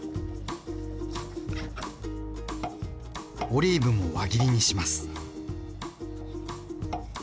オリーブも輪切りにします。